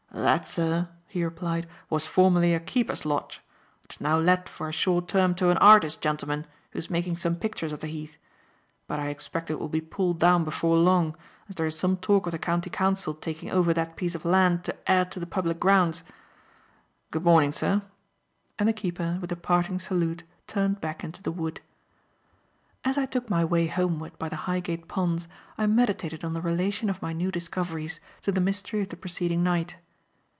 "That, sir," he replied, "was formerly a keeper's lodge. It is now let for a short term to an artist gentleman who is making some pictures of the Heath, but I expect it will be pulled down before long, as there is some talk of the County Council taking over that piece of land to add to the public grounds. Good morning, sir," and the keeper, with a parting salute, turned back into the wood. As I took my way homeward by the Highgate Ponds I meditated on the relation of my new discoveries to the mystery of the preceding night.